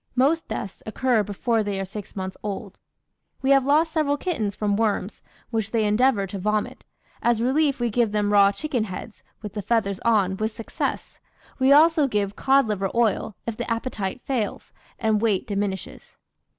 Most deaths occur before they are six months old. "We have lost several kittens from worms, which they endeavour to vomit; as relief we give them raw chicken heads, with the feathers on, with success. We also give cod liver oil, if the appetite fails and weight diminishes.